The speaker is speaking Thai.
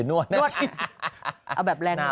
นวดเอาแบบแรงหน่อย